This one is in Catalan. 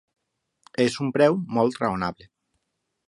Es un preu molt raonable.